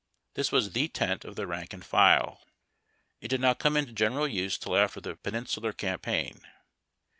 This was fJie tent of the rank and file. It did not come into general use till after the Peninsular Cam paign.